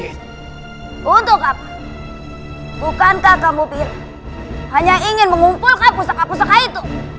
untuk apa bukankah kamu hanya ingin mengumpulkan pusaka pusaka itu